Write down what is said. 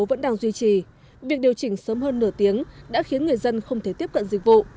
việc điều chỉnh sớm hơn nửa tiếng đã khiến người dân không thể tiếp cận dịch vụ